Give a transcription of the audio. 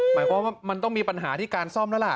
หมายความว่ามันต้องมีปัญหาที่การซ่อมแล้วล่ะ